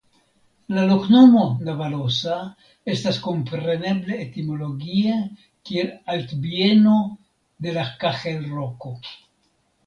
La loknomo "Navalosa" estas komprenebla etimologie kiel Altbieno de la Kahelroko.